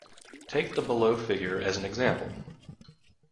Take the below figure as an example.